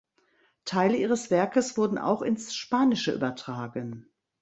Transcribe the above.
Teile ihres Werkes wurden auch ins Spanische übertragen.